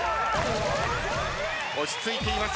落ち着いています